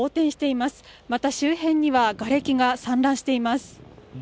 また周辺にはがれきが散乱しています。